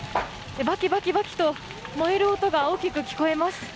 バキバキバキと燃える音が大きく聞こえます。